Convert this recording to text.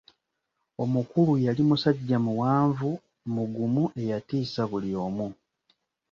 Omukulu yali musajja muwanvu, mugumu eyatiisa buli omu.